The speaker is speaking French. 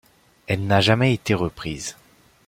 Elle n'a jamais été reprise.